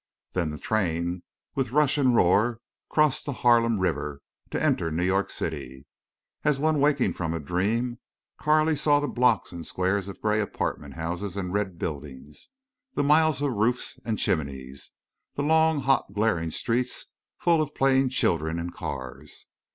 Then the train with rush and roar crossed the Harlem River to enter New York City. As one waking from a dream Carley saw the blocks and squares of gray apartment houses and red buildings, the miles of roofs and chimneys, the long hot glaring streets full of playing children and cars.